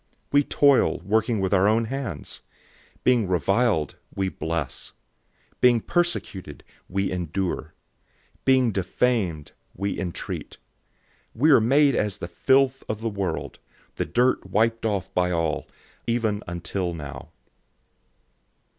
004:012 We toil, working with our own hands. When people curse us, we bless. Being persecuted, we endure. 004:013 Being defamed, we entreat. We are made as the filth of the world, the dirt wiped off by all, even until now.